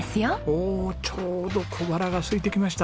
おおちょうど小腹がすいてきました。